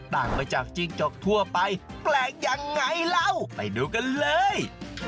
ต่างไปจากจิ้งจกทั่วไปแปลกยังไงเราไปดูกันเลย